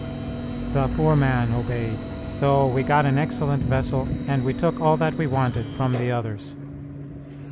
The poor man obeyed; so we got an excellent vessel, and we took all that we wanted from the others.